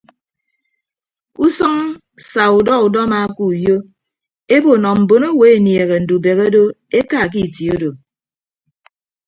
Ke usʌñ sa udọ udọma ke uyo ebo nọ mbonowo enieehe ndubehe do eka ke itie odo.